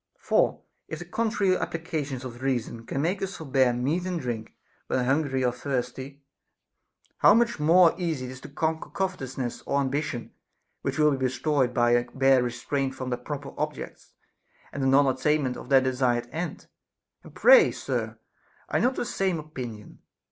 For if the contrary appli cations of reason can make us forbear meat and drink, when hungry or thirsty, how much more easy is it to conquer covetousness or ambition, which will be destroyed by a bare restraint from their proper objects, and a non attainment of their desired end? And pray, sir, are you not of the same opinion